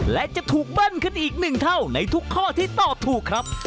และจะถูกเบิ้ลขึ้นอีกหนึ่งเท่าในทุกข้อที่ตอบถูกครับ